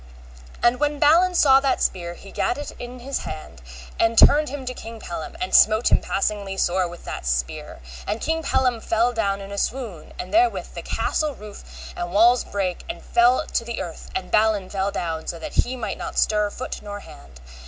And when Balin saw that spear, he gat it in his hand and turned him to King Pellam, and smote him passingly sore with that spear, that King Pellam fell down in a swoon, and therewith the castle roof and walls brake and fell to the earth, and Balin fell down so that he might not stir foot nor hand.